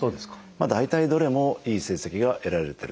大体どれもいい成績が得られてると思います。